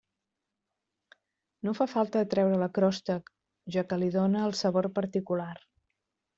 No fa falta treure la crosta, ja que li dóna el sabor particular.